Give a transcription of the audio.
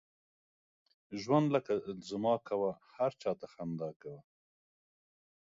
ژوند لکه زما کوه، هر چاته خندا کوه.